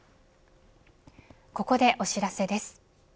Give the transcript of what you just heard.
ここでお知らせです。